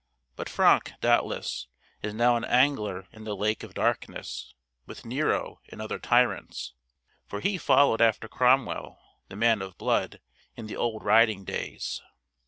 But Franck, doubtless, is now an angler in the Lake of Darkness, with Nero and other tyrants, for he followed after Cromwell, the man of blood, in the old riding days.